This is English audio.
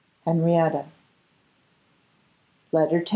Henrietta. Letter X.